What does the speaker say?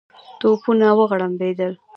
توپونه وغړومبېدل.